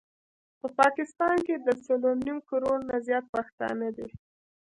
په پاکستان کي د څلور نيم کروړ نه زيات پښتانه دي